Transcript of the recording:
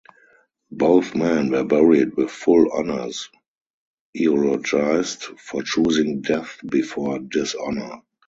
Both men were buried with full honors, eulogized for choosing death before dishonor.